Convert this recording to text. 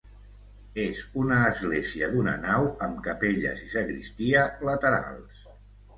És una església d'una nau amb capelles i sagristia laterals.